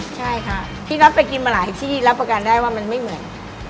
ใช่ค่ะพี่น็อตไปกินมาหลายที่รับประกันได้ว่ามันไม่เหมือน